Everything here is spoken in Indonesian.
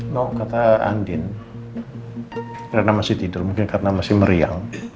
no kata andin karena masih tidur mungkin karena masih meriang